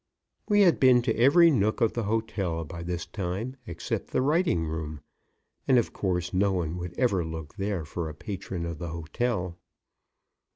We had been to every nook of the hotel by this time, except the writing room, and, of course, no one would ever look there for patrons of the hotel.